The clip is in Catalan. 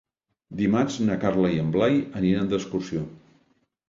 Dimarts na Carla i en Blai aniran d'excursió.